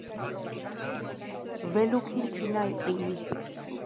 ველუქინ თინა იჸინი